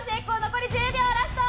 残り１０秒ラスト。